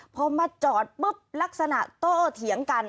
พอมาจอดปุ๊บลักษณะโตเถียงกัน